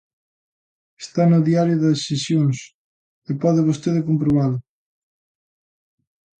Está no Diario de Sesións e pode vostede comprobalo.